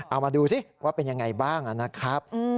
เอามาดูสิว่าเป็นยังไงบ้างนะครับ